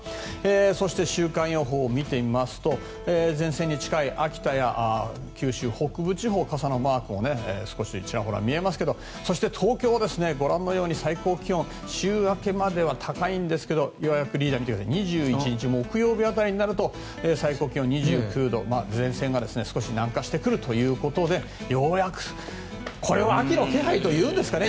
そして、週間予報を見てみますと前線に近い秋田や九州北部地方傘のマークも少しちらほら見えますがそして東京はご覧のように最高気温週明けまでは高いんですけどようやく２１日の木曜日辺りになると最高気温２９度、前線が少し南下してくるということでようやく、これは秋の気配というんですかね。